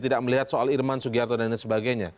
tidak melihat soal irman sugiarto dan sebagainya